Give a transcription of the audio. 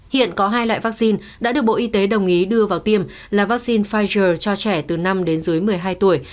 hiện có hai loại vaccine đã được bộ y tế đồng ý đưa vào tiêm là vaccine pfizer cho trẻ từ năm đến dưới một mươi hai tuổi